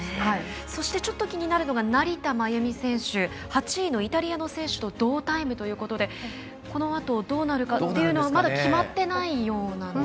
そしてちょっと気になるのが成田真由美選手８位のイタリアの選手と同タイムということでこのあとどうなるかはまだ決まってないようなんですね。